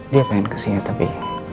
dia pengen kesini tapi